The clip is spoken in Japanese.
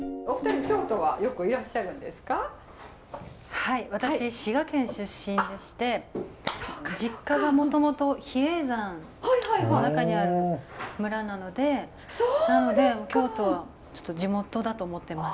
はい私滋賀県出身でして実家がもともと比叡山の中にある村なのでなので京都は地元だと思ってます。